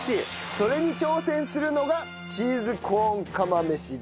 それに挑戦するのがチーズコーン釜飯です。